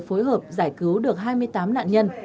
phối hợp giải cứu được hai mươi tám nạn nhân